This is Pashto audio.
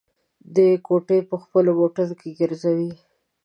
دا کوټې په خپلو موټرو کې ګرځوي.